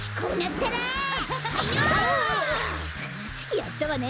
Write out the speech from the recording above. やったわね！